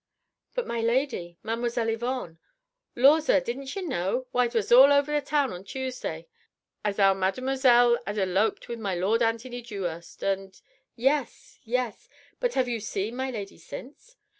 "But my lady ... Mademoiselle Yvonne...." "Lor, zir, didn't ye know? Why 'twas all over th' town o' Tuesday as 'ow Mademozell 'ad eloped with my lord Anthony Dew'urst, and...." "Yes! yes! But you have seen my lady since?"